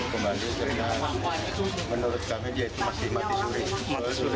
karena menurut kami dia itu masih mati suri